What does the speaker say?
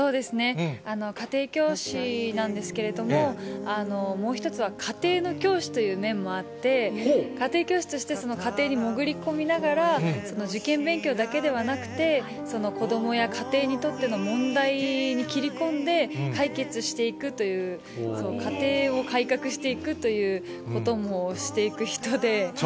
家庭教師なんですけれども、もう一つは家庭の教師という面もあって、家庭教師としてその家庭に潜りこみながら、受験勉強だけではなくて、子どもや家庭にとっての問題に切り込んで、解決していくという、家庭を改革していくということもしていく人で。